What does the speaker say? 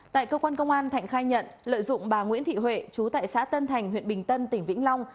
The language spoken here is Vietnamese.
tại cơ quan công an thạnh khai nhận lợi dụng bà nguyễn thị huệ chú tại xã tân thành huyện bình tân tỉnh vĩnh long